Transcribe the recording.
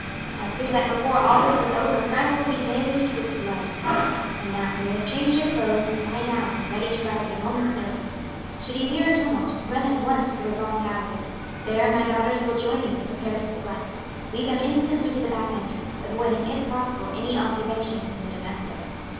I fear that before all this is over France will be deluged with blood. And now, when you have changed your clothes, lie down, ready to rise at a moment's notice. Should you hear a tumult, run at once to the long gallery. There my daughters will join you prepared for flight. Lead them instantly to the back entrance, avoiding, if possible, any observation from the domestics.